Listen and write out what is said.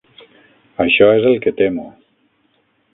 Això és el que temo.